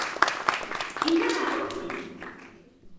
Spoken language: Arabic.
إنها أختي.